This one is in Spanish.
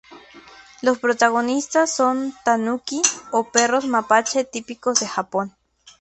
Los protagonistas son "tanuki", o perros mapache típicos de Japón.